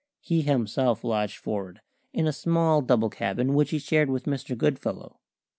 He himself lodged forward, in a small double cabin which he shared with Mr. Goodfellow.